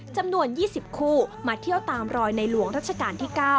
จำนวน๒๐คู่มาเที่ยวตามรอยในหลวงรัชกาลที่๙